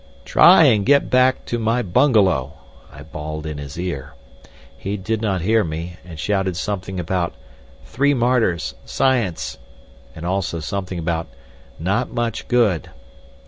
"Try and get back—to my bungalow," I bawled in his ear. He did not hear me, and shouted something about "three martyrs—science," and also something about "not much good."